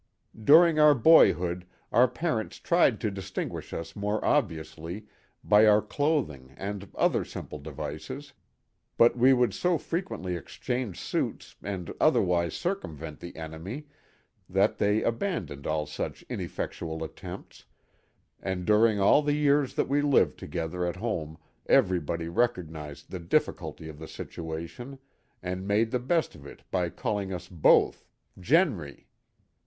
During our boyhood our parents tried to distinguish us more obviously by our clothing and other simple devices, but we would so frequently exchange suits and otherwise circumvent the enemy that they abandoned all such ineffectual attempts, and during all the years that we lived together at home everybody recognized the difficulty of the situation and made the best of it by calling us both "Jehnry."